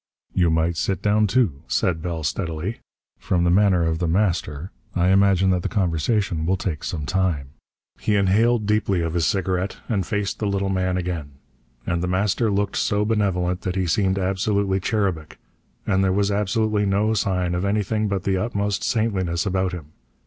"You might sit down, too," said Bell steadily. "From the manner of The Master, I imagine that the conversation will take some time." He inhaled deeply of his cigarette, and faced the little man again. And The Master looked so benevolent that he seemed absolutely cherubic, and there was absolutely no sign of anything but the utmost saintliness about him.